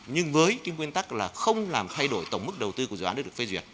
nhưng với cái nguyên tắc là không làm thay đổi tổng mức đầu tư của dự án đã được phê duyệt